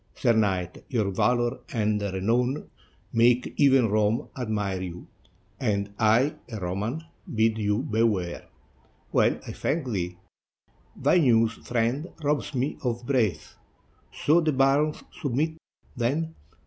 Sir knight, your valor and renown make even Rome admire you; and I, a Roman, bid you beware," "Well, I thank thee; thy news, friend, robs me of breath. So the barons submit, then?"